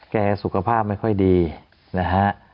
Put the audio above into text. สุขภาพไม่ค่อยดีนะฮะ